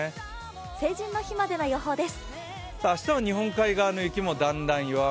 成人の日までの予報です。